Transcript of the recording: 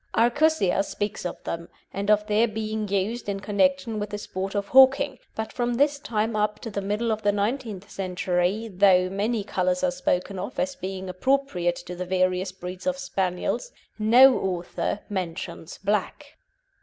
Arcussia speaks of them, and of their being used in connection with the sport of hawking, but from his time up to the middle of the nineteenth century, though many colours are spoken of as being appropriate to the various breeds of Spaniels, no author mentions black.